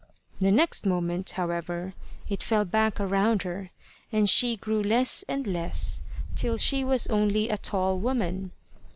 The next moment, however, it fell back around her, and she grew less and less till she was only a tall woman.